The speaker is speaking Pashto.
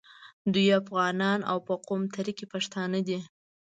دوی افغانان او په قوم تره کي پښتانه دي.